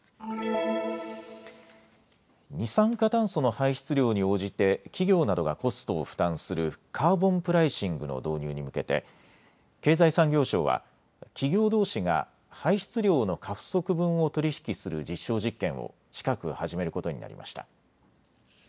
二酸化炭素の排出量に応じて企業などがコストを負担するカーボンプライシングの導入に向けて経済産業省は企業どうしが排出量の過不足分を取り引きする実証実験を近く始めることになりました。